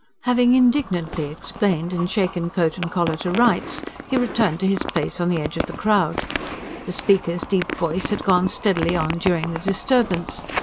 Having indignantly explained, and shaken coat and collar to rights, he returned to his place on the edge of the crowd. The speaker's deep voice had gone steadily on during the disturbance.